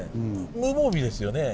無防備ですよね。